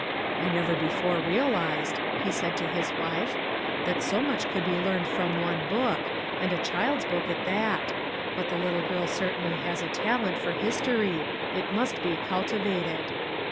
" I never be fore realized," he said to his wife, " that so much could be learned from one book, and a 302 A NEW HOME child's book at that ; but the little girl certainly has a talent for history; it must be cultivated."